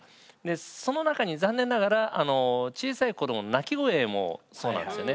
その中に残念ながら小さい子どもの泣き声もそうなんですよね。